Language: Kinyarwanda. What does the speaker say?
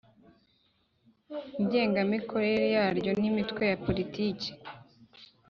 Ngengamikorere yaryo n Imitwe ya Politiki